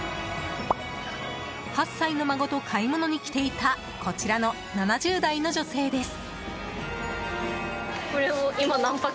８歳の孫と買い物に来ていたこちらの７０代の女性です。